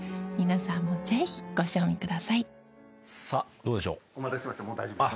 さあどうでしょう？